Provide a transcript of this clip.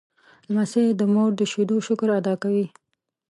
لمسی د مور د شیدو شکر ادا کوي.